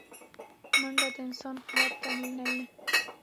منډه د انسان قوت تمرینوي